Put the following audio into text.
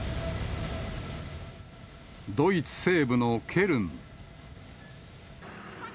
ドイツ西部のケルン。